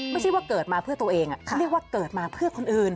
ไม่ใช่ว่าเกิดมาเพื่อตัวเองเขาเรียกว่าเกิดมาเพื่อคนอื่น